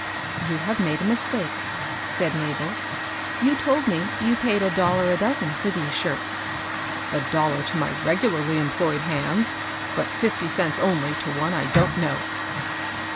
" You have made a mistake," said MabeL You told me you paid a dollar a dozen for these shirts." " A dollar to my regularly employed hands, but fifty cents only to one I don't know."